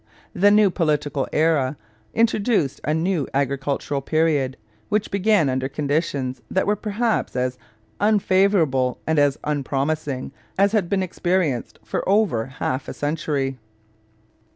The new political era introduced a new agricultural period, which began under conditions that were perhaps as unfavourable and as unpromising as had been experienced for over half a century.